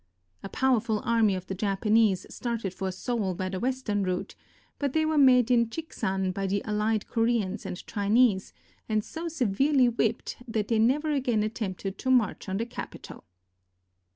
A powerful army of the Japan ese started for Seoul by the western route, but they were met in Chiksan by the allied Koreans and Chinese, and so severely whipped that they never again attempted to march on the capital.